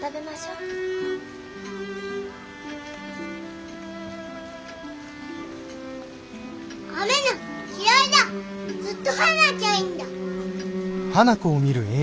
ずっと降らなきゃいいんだ！